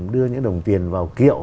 đưa những đồng tiền vào kiệu